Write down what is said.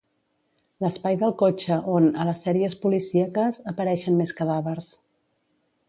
L'espai del cotxe on, a les sèries policíaques, apareixen més cadàvers.